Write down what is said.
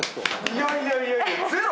いやいやいやいやゼロ？